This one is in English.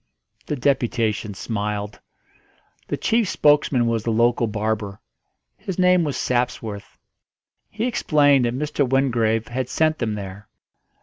The deputation smiled. The chief spokesman was the local barber; his name was Sapsworth. He explained that Mr. Wingrave had sent them there.